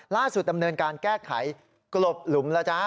ล่าสุดดำเนินการแก้ไขกลบหลุมแล้วจ้า